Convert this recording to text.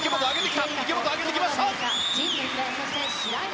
池本、上げてきました。